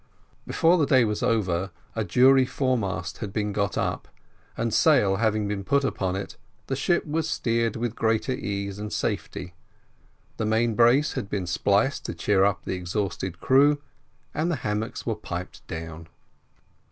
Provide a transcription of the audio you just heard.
Before the day was over a jury foremast had been got up, and sail having been put upon it, the ship was steered with greater ease and safety the main brace had been spliced to cheer up the exhausted crew, and the hammocks were piped down.